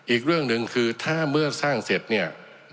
อีกเรื่องหนึ่งคือถ้าเมื่อสร้างเสร็จเนี่ย